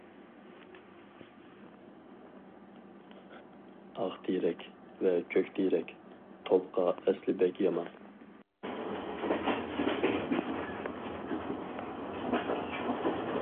ئاق تېرەك، ۋە كۆك تېرەك، توپقا ئەسلى بەك يامان.